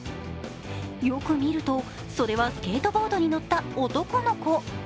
よく見るとそれはスケートボードに乗った男の子。